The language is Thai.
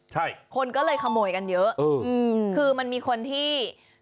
ใช่คนก็เลยขโมยกันเยอะอืมคือมันมีคนที่